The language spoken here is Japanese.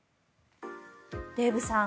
デーブさん